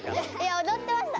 おどってました。